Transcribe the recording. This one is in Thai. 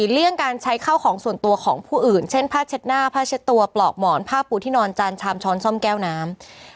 เลี่ยงการใช้ข้าวของส่วนตัวของผู้อื่นเช่นผ้าเช็ดหน้าผ้าเช็ดตัวปลอกหมอนผ้าปูที่นอนจานชามช้อนซ่อมแก้วน้ำ